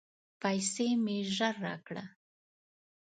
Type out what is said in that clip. پیسې مي ژر راکړه !